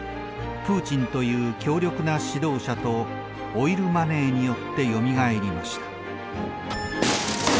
プーチンという強力な指導者とオイルマネーによってよみがえりました。